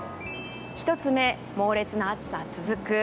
１つ目、猛烈な暑さ続く